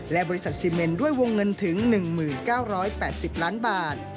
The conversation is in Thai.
และบริษัทซีเมนด้วยวงเงินถึง๑๙๘๐ล้านบาท